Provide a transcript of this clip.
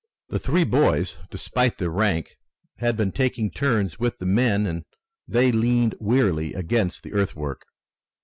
The three boys, despite their rank, had been taking turns with the men and they leaned wearily against the earthwork.